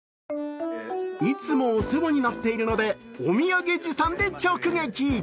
いつもお世話になっているのでお土産持参で直撃。